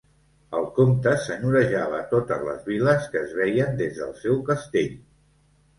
El comte senyorejava totes les viles que es veien des del seu castell.